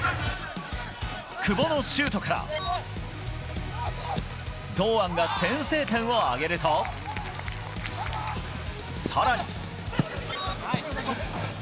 久保のシュートから堂安が先制点を挙げると更に。